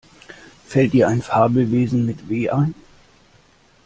Fällt dir ein Fabelwesen mit W ein?